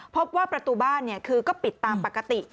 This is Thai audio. พบว่าประตูบ้านคือก็ปิดตามปกติ